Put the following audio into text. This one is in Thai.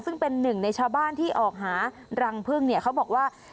ซึ่งเป็นหนึ่งในชาวบ้านที่ออกหารังพึ่งเนี่ยเขาบอกว่า